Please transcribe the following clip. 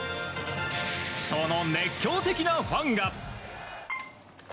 その熱狂的なファンが。